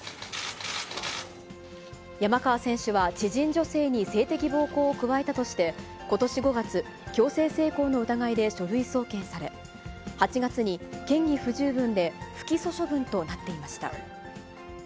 山川選手は、知人女性に性的暴行を加えたとして、ことし５月、強制性交の疑いで書類送検され、８月に嫌疑不十分で不起訴処分となっていました。